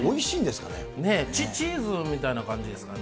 チーズみたいな感じですかね。